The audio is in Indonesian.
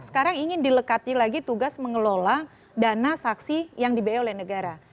sekarang ingin dilekati lagi tugas mengelola dana saksi yang dibiayai oleh negara